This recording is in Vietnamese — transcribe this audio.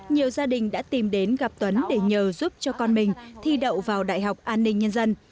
nhiều gia đình đã tìm đến gặp tuấn để nhờ giúp cho con mình thi đậu vào đại học an ninh nhân dân